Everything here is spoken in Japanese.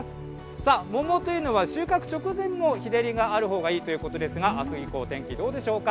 さあ、桃というのは収穫直前も日照りがあるほうがいいということですが、あす以降、お天気どうでしょうか。